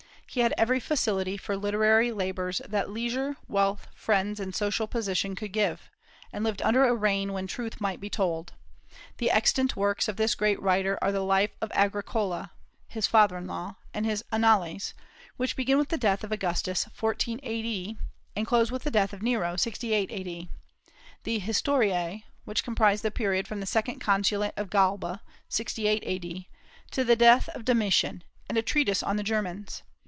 He had every facility for literary labors that leisure, wealth, friends, and social position could give, and lived under a reign when truth might be told. The extant works of this great writer are the "Life of Agricola," his father in law; his "Annales," which begin with the death of Augustus, 14 A.D., and close with the death of Nero, 68 A.D.; the "Historiae," which comprise the period from the second consulate of Galba, 68 A.D., to the death of Domitian; and a treatise on the Germans.